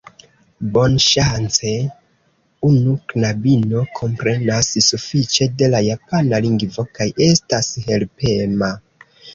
Bonŝance, unu knabino komprenas sufiĉe de la japana lingvo kaj estas helpema.